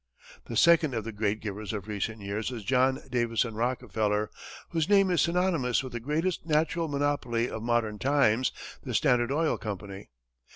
The second of the great givers of recent years is John Davison Rockefeller, whose name is synonymous with the greatest natural monopoly of modern times, the Standard Oil Company.